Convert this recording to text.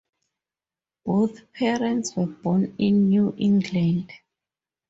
Both parents were born in New England.